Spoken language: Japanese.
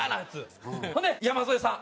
ほんで山添さん！